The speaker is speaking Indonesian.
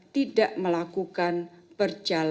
tidak melakukan transaksi